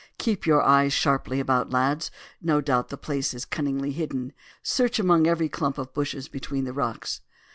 "Keep your eyes sharply about, lads. No doubt the place is cunningly hidden. Search among every clump of bushes between the rocks."